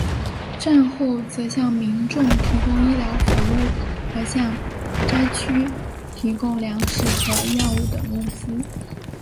战后则向民众提供医疗服务和向灾民提供粮食和药物等物资。